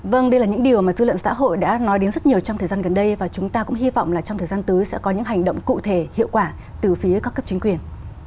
vâng đây là những điều mà dư luận xã hội đã nói đến rất nhiều trong thời gian gần đây và chúng ta cũng hy vọng là trong thời gian tới sẽ có những hành động cụ thể hiệu quả từ phía các cấp chính quyền